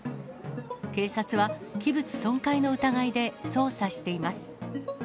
警察は器物損壊の疑いで捜査しています。